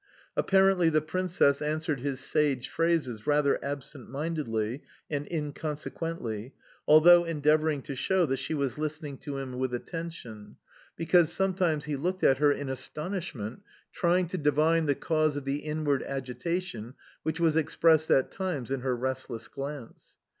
Apparently the Princess answered his sage phrases rather absent mindedly and inconsequently, although endeavouring to show that she was listening to him with attention, because sometimes he looked at her in astonishment, trying to divine the cause of the inward agitation which was expressed at times in her restless glance...